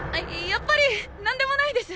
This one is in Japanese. やっぱり何でもないです！